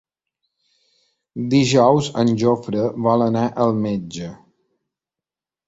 Dijous en Jofre vol anar al metge.